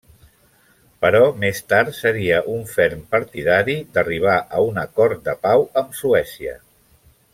Però més tard seria un ferm partidari d'arribar a un acord de pau amb Suècia.